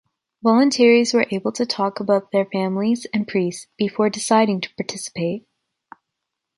Voluntaries were able to talk about with their families and priests before deciding to participate.